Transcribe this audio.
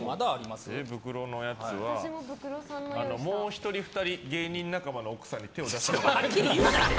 ブクロのやつはもう１人、２人芸人仲間の奥さんに手を出したことがあるっぽい。